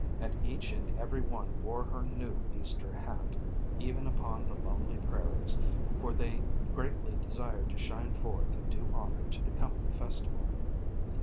And each and every one wore her new Easter hat, even upon the lonely prairies, for they greatly desired to shine forth and do honor to the coming festival.